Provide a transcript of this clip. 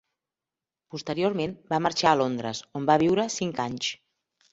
Posteriorment va marxar a Londres, on va viure cinc anys.